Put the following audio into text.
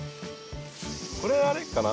これあれかな。